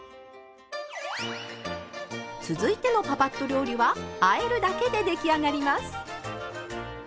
続いてのパパッと料理はあえるだけで出来上がります。